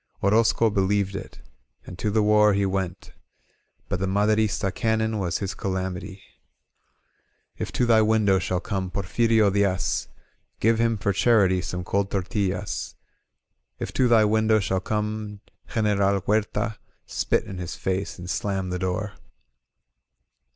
Orozco believed it And to the war he went; But the Maderista cannon Was his calamity. If to thy window shall come Porfirio Diaz^ Give him for charity some cold tortillas; If to thy window shall come General Huertay Spit in his face and slam the door.